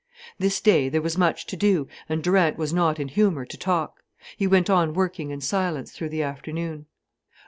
This day there was much to do and Durant was not in humour to talk. He went on working in silence through the afternoon.